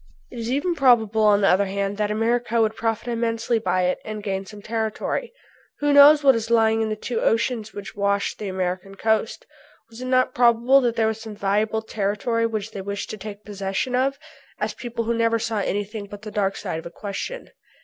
It is even probable on the other hand that America would profit immensely by it and gain some territory. "Who knows what is lying in the two oceans which wash the American coast? Was it not probable that there was some valuable territory which they wished to take possession of?" asked people who never saw anything but the dark side of a question.